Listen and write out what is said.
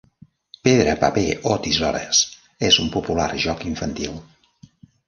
Pedra, paper o tisores és un popular joc infantil.